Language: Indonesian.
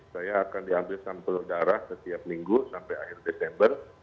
saya akan diambil sampel darah setiap minggu sampai akhir desember